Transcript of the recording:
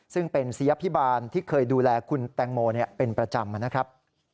ซึ่งเป็นเสียพิบาลที่เคยดูแลคุณแตงโมเป็นประจำนะครับ